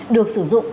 được sử dụng